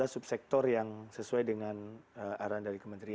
tujuh belas subsektor yang sesuai dengan arahan dari kementerian